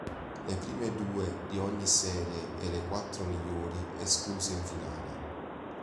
Le prime due di ogni serie e le quattro migliori escluse in finale.